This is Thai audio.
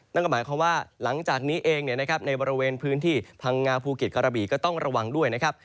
นั่นก็หมายความว่าหลังจากนี้เองในบริเวณพื้นที่พังงาภูเก็ตกระบีก็ต้องระวังด้วยนะครับ